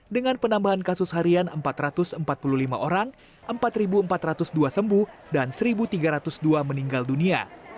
dengan penambahan kasus harian empat ratus empat puluh lima orang empat empat ratus dua sembuh dan satu tiga ratus dua meninggal dunia